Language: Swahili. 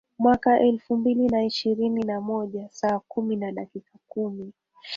mwaka elfu mbili na ishirini na moja saa kumi na dakika kumi